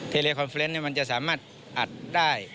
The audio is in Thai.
เลคอนเฟรนต์มันจะสามารถอัดได้